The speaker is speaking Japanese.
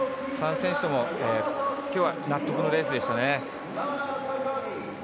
３選手ともきょうは納得のレースでしたね。